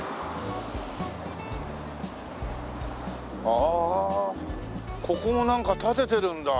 ああここもなんか建ててるんだ。